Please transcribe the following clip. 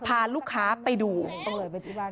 พาลูกค้าไปดูต่อเหลือไปไปอีกบาน